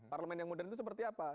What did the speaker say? parlemen yang modern itu seperti apa